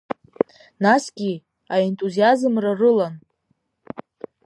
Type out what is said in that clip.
Насгьы, аинтузиазмра рылан.